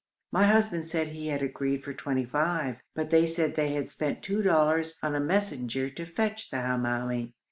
My husband said he had agreed for twenty five, but they said they had spent two dollars on a messenger to fetch the Hamoumi.